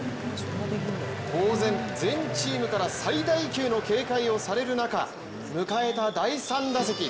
当然、全チームから最大級の警戒をされる中、迎えた第３打席。